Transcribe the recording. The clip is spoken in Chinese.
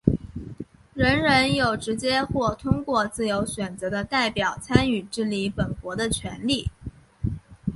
人人有直接或通过自由选择的代表参与治理本国的权利。